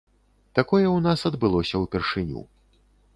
Такое ў нас адбылося ўпершыню.